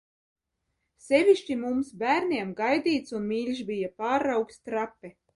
Sevišķi mums bērniem gaidīts un mīļš bija pārraugs Trape.